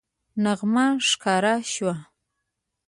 نغمه ښکاره شوه